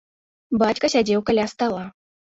Бацька сядзеў каля стала.